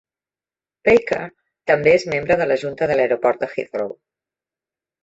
Baker també és membre de la junta de l"Aeroport de Heathrow.